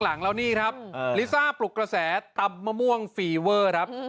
หลังแล้วนี่ครับลิซ่าปลุกกระแสตำมะม่วงฟีเวอร์ครับ